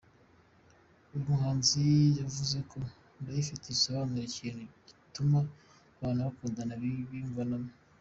Uyu muhanzi yavuze ko Ndayifite bisobanura ikintu gituma abantu bakundana biyumvanamo.